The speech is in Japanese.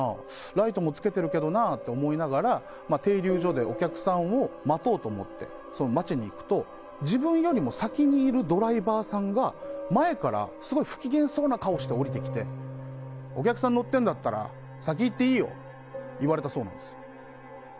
ライトも付けてるけどなって思いながら停留所でお客さんを待とうと思って待ちに行くと自分よりも先にいるドライバーさんが前からすごく不機嫌そうな顔をして降りてきてお客さん乗ってるんだったら先行っていいよって言われたそうなんです。